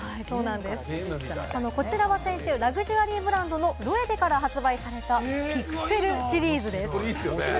こちらは先週、ラグジュアリーブランドのロエベから発売されたピクセルシリーズです。